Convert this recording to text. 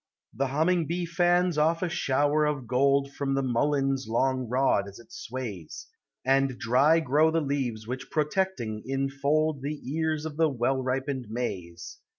The humming bee fans oil' a shower of gold From the mullein's long rod as it sways, And dry grow the leaves which protecting infold The ears of the well ripened maize!